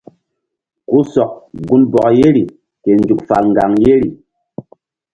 Ku sɔk gunbɔk yeri ke nzuk fal ŋgaŋ yeri.